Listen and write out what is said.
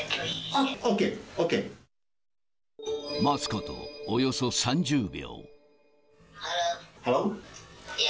待つことおよそ３０秒。